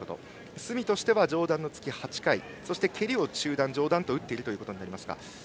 角としては上段の突き８回そして蹴りを中段、上段と打っていることになります。